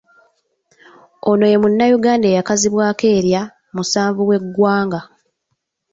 Ono ye Munnayuganda eyakazibwako erya, “Musanvu w’eggwanga”.